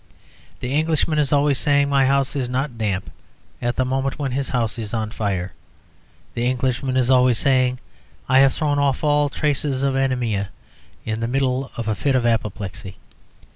The Englishman is always saying "My house is not damp" at the moment when his house is on fire. The Englishman is always saying, "I have thrown off all traces of anæmia" in the middle of a fit of apoplexy.